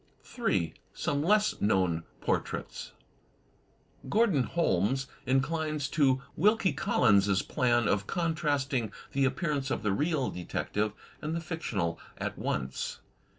J. Some Less Known Portraits Gordon Holmes inclines to Wilkie Collins' plan of con trasting the appearance of the real detective and the fictional at once.